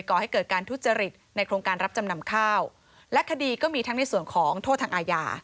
ก่อให้เกิดการทุจริตในโครงการรับจำนำข้าวและคดีก็มีทั้งในส่วนของโทษทางอาญา